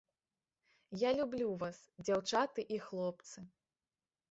Я люблю вас, дзяўчаты і хлопцы.